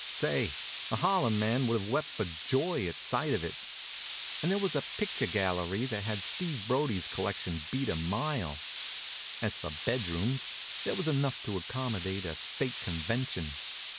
Say, a Harlem man would have wept for joy at sight of it. And there was a picture gallery that had Steve Brodie's collection beat a mile. As for bedrooms, there was enough to accommodate a State convention.